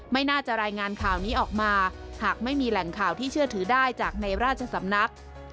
ไม่น่าจะรายงานข่าวนี้ออกมาหากไม่มีแหล่งข่าวที่เชื่อถือได้จากในราชสำนัก